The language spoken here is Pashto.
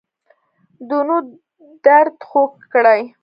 دونو درد خوږ کړی